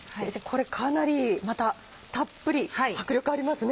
これかなりまたたっぷり迫力ありますね。